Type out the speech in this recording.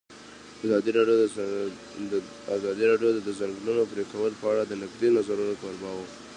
ازادي راډیو د د ځنګلونو پرېکول په اړه د نقدي نظرونو کوربه وه.